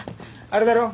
あれだろ？